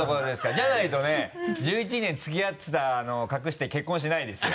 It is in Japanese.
じゃないとね１１年付き合ってたのを隠して結婚しないですよ。